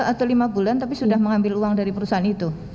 atau lima bulan tapi sudah mengambil uang dari perusahaan itu